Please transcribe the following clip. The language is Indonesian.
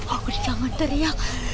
aku jangan teriak